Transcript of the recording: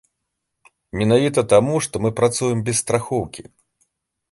Менавіта таму, што мы працуем без страхоўкі.